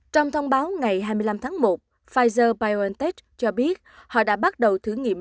trong thông báo ngày hai mươi năm tháng một pfizer biontech cho biết họ đã bắt đầu thử nghiệm